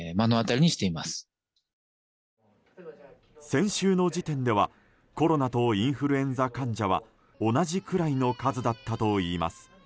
先週の時点ではコロナとインフルエンザ患者は同じくらいの数だったといいます。